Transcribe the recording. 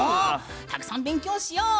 たくさん勉強しよう！